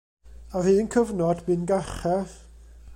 Ar un cyfnod, bu'n garchar.